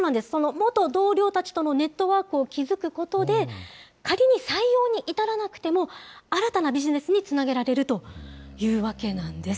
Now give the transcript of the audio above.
元同僚たちとのネットワークを築くことで、仮に採用に至らなくても、新たなビジネスにつなげられるというわけなんですね。